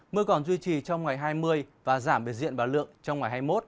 mưa còn duy trì trong ngày hai mươi và giảm biệt diện và lượng trong ngày hai mươi một